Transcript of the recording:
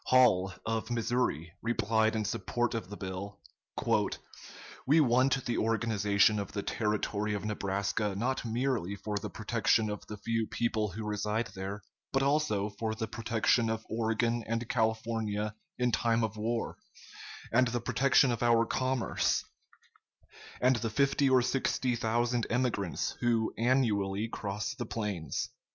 Hall, of Missouri, replied in support of the bill: "We want the organization of the Territory of Nebraska not merely for the protection of the few people who reside there, but also for the protection of Oregon and California in time of war, and the protection of our commerce and the fifty or sixty thousand emigrants who annually cross the plains."